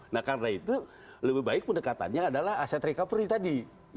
nah karena itu lebih baik pendekatannya adalah aset recovery tadi